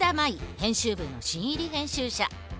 編集部の新入り編集者。